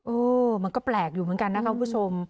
เออมันก็แปลกอยู่เหมือนกันนะคะคุณผู้ชม